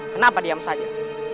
kenapa diam saja